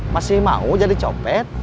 masih mau jadi copet